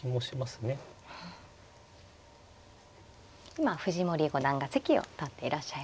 今藤森五段が席を立っていらっしゃいますね。